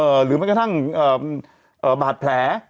อ่าหรือมันกระทั่งอ่าอ่าบาดแผล